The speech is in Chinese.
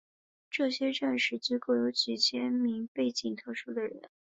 这些战时机构有几千名背景特殊的人。